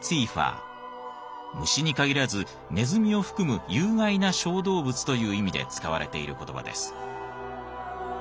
虫に限らずネズミを含む「有害な小動物」という意味で使われている言葉です。